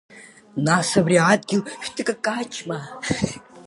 Нас абри адгьыл шәҭыкакаҷма?